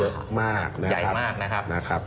เยอะมากนะครับนะครับใหญ่มากนะครับ